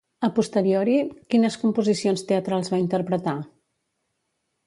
A posteriori, quines composicions teatrals va interpretar?